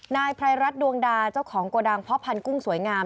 นายพรายรัฐดวงดาเจ้าของกระดังพพันธุ์กุ้งสวยงาม